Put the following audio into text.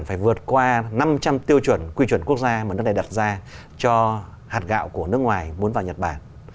phải vượt qua năm trăm linh tiêu chuẩn quy chuẩn quốc gia mà nước này đặt ra cho hạt gạo của nước ngoài muốn vào nhật bản